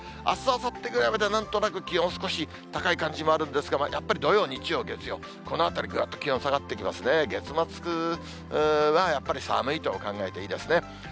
あす、あさってぐらいまではなんとなく気温少し高い感じもあるんですが、やっぱり土曜、日曜、月曜、このあたり、ぐっと気温下がってきますね、月末、やっぱり寒いと考えていいですね。